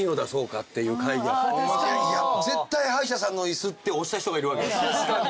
絶対歯医者さんの椅子って推した人がいるわけです。